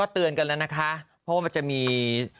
เตือนกันแล้วนะคะเพราะว่ามันจะมี